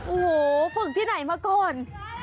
โอ้โหฝึกที่ไหนมาก่อน